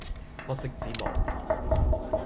不識之無